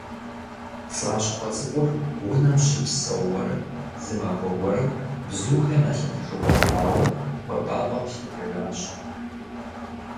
ПцӀащхъуэ цӀыкӀур унэм щыпсэууэрэ, зы махуэ гуэрым, бзухэм я лъэтэжыгъуэ хъуауэ, хуэбапӀэм лъэтэжащ.